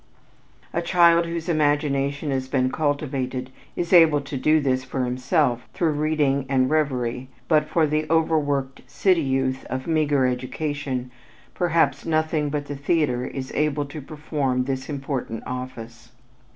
A child whose imagination has been cultivated is able to do this for himself through reading and reverie, but for the overworked city youth of meager education, perhaps nothing but the theater is able to perform this important office.